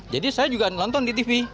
jadi saya juga nonton di tv